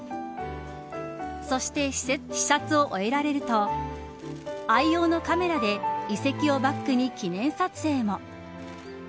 そして、視察を終えられると愛用のカメラで遺跡をバックに記念撮影も。